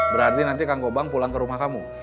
berarti nanti kang gobang pulang ke rumah kamu